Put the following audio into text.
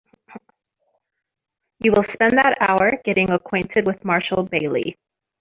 You will spend that hour getting acquainted with Marshall Bailey.